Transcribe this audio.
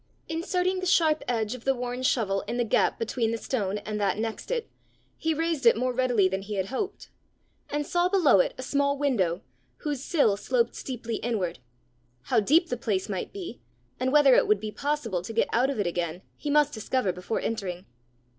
Inserting the sharp edge of the worn shovel in the gap between the stone and that next it, he raised it more readily than he had hoped, and saw below it a small window, whose sill sloped steeply inward. How deep the place might be, and whether it would be possible to get out of it again, he must discover before entering.